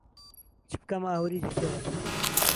چبکەم ئاوری جگهره